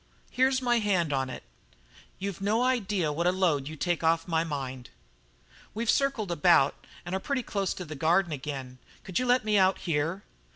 "Here's my hand on it. You've no idea what a load you take off my mind." "We've circled about and are pretty close to the Garden again. Could you let me out here?"